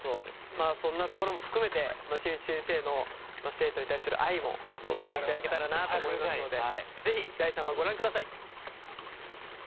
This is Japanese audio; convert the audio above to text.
まあそんなところも含めて新内先生の生徒に対する愛も見ていただけたらなと思いますので是非第３話ご覧ください。